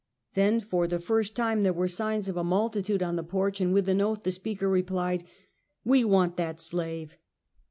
Then, for the first time, there were signs of a multi tude on the porch, and with an oath the speaker replied :" We want that slave."